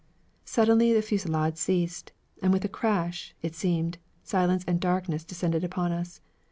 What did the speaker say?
Suddenly the fusillade ceased, and with a crash, it seemed, silence and darkness descended upon us.